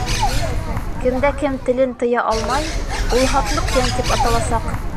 Кем дә кем телен тыя алмай, ул һатлыҡ йән тип аталасаҡ.